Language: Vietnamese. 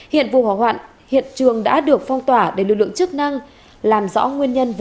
hiện vụ hỏa hoạn hiện trường đã được phong tỏa để lực lượng chức năng làm rõ nguyên nhân vụ